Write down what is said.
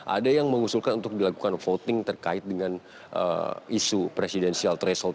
ada yang mengusulkan untuk dilakukan voting terkait dengan isu presidensial threshold